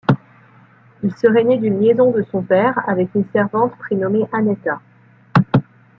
Il serai né d'une liaison de son père avec une servante prénommé Annetta.